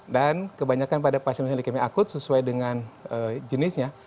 dan kebanyakan pada pasien pasien leukemia akut sesuai dengan jenisnya